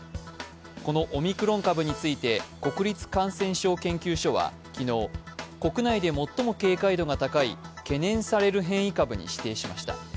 このオミクロン株について国立感染症研究所は昨日、国内で最も警戒度が高い懸念される変異株に指定しました。